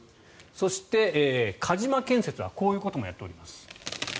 そして、鹿島建設はこういうこともやっております。